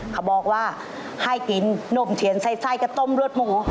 เขาบอกว่าให้กินนมเทียนไส้กับต้มรวดหมู